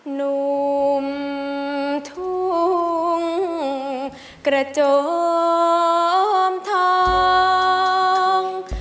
หนุ่มทุ่งกระจงทอง